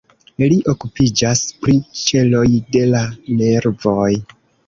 Li okupiĝas pri ĉeloj de la nervoj.